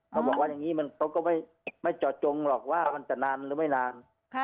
เขาบอกว่าอย่างนี้เขาก็ไม่เจาะจงหรอกว่ามันจะนานหรือไม่นาน